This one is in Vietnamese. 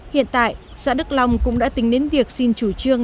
hiện tại xã đức long cũng đã tính đến việc xin chủ trương